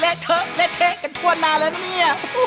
เล่นเธอเล่นเธอกันทั่วนานแล้วเนี่ย